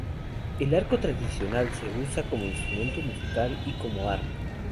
El arco tradicional se usa como instrumento musical y como arma.